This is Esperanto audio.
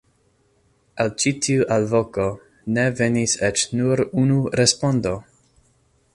Al ĉi tiu alvoko ne venis eĉ nur unu respondo!